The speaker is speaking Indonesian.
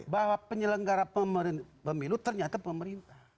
bahwa penyelenggara pemilu ternyata pemerintah